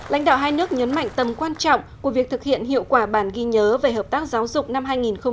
lãnh đạo hai nước nhấn mạnh tầm quan trọng của việc thực hiện hiệu quả bản ghi nhớ về hợp tác giáo dục năm hai nghìn một mươi chín